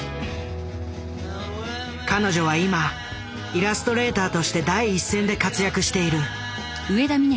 彼女は今イラストレーターとして第一線で活躍している。